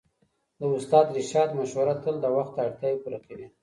د استاد رشاد مشوره تل د وخت اړتياوې پوره کوي.